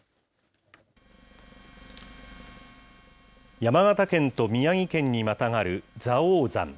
山形県と宮城県にまたがる蔵王山。